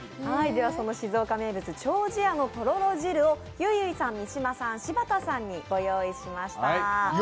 その静岡名物、丁子屋のとろろ汁をゆいゆいさん、三島さん、柴田さんにご用意しました。